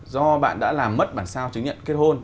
do bạn đã làm mất bản sao chứng nhận kết hôn